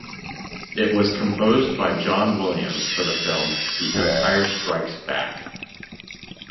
It was composed by John Williams for the film "The Empire Strikes Back".